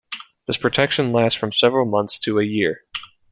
This protection lasts from several months to a year.